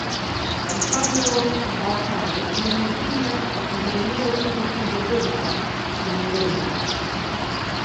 Kwa mfano kwa Wapare kuna majina ya maeneo kama vile Gonja na Ndeme